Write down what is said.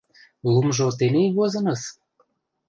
Лумжо тений возыныс?!